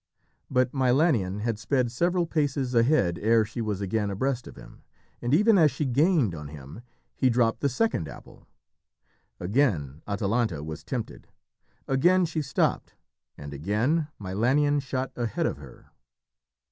But Milanion had sped several paces ahead ere she was again abreast of him, and even as she gained on him, he dropped the second apple. Again Atalanta was tempted. Again she stopped, and again Milanion shot ahead of her.